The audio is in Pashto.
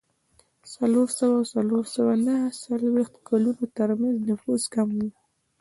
د څلور سوه او څلور سوه نهه څلوېښت کلونو ترمنځ نفوس کم و